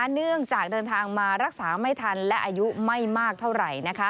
เนื่องจากเดินทางมารักษาไม่ทันและอายุไม่มากเท่าไหร่